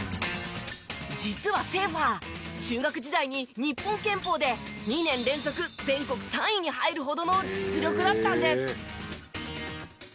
実はシェーファー中学時代に日本拳法で２年連続全国３位に入るほどの実力だったんです。